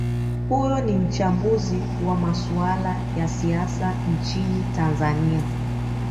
huyo ni mchambuzi wa masuala ya siasa nchini tanzania